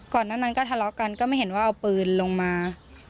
ก่อนนั้นก็ทะเลาะกันก็ไม่เห็นว่าเอาปืนลงมา